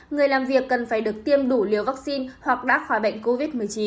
người làm việc cần phải được tiêm đủ liều vaccine hoặc đã khỏi bệnh covid một mươi chín